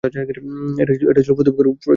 এটা ছিল প্রতিপক্ষের কৌশলী ফাঁদ।